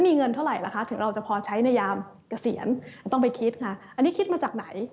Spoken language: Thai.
มีเงินเท่าไหร่ล่ะคะถึงเราจะพอใช้ในยามเกษียณต้องไปคิดค่ะอันนี้คิดมาจากไหน